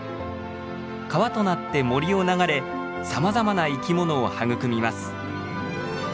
川となって森を流れさまざまな生き物を育みます。